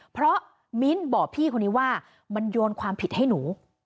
เพราะมิ้นท์บอกพี่คนนี้ว่ามันโยนความผิดให้หนู